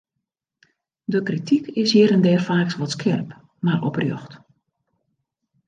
De krityk is hjir en dêr faaks wat skerp, mar oprjocht.